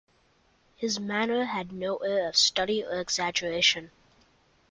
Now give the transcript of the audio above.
His manner had no air of study or exaggeration.